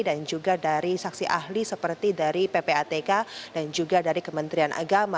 dan juga dari saksi ahli seperti dari ppatk dan juga dari kementerian agama